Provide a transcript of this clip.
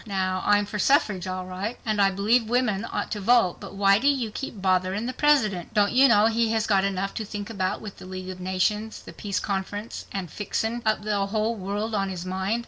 Now, I'm for suffrage alright, and I believe women ought to vote, but why do you keep botherin' the President? Don't you know he has got enough to think about with the League of Nations, the Peace Conference and fixin' up the whole world on his mind?"